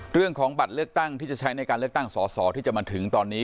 เรื่องของบัตรเลือกตั้งที่จะใช้ในการเลือกตั้งสอสอที่จะมาถึงตอนนี้